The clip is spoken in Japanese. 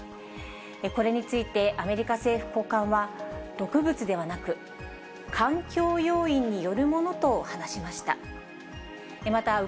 これについてアメリカ政府高官は、毒物ではなく、環境要因によるものと話しました。